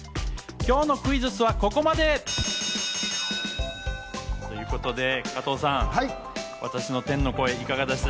今日のクイズッスはここまで！ということで加藤さん、私の天の声いかがです。